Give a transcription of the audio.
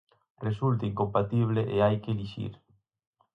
Resulta incompatible e hai que elixir.